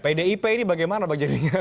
pdip ini bagaimana bang jadinya